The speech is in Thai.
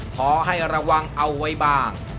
ขอให้ระวังเอาไว้บ้าง